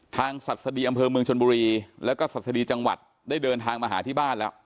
ศัษฎีอำเภอเมืองชนบุรีแล้วก็ศัษฎีจังหวัดได้เดินทางมาหาที่บ้านแล้ว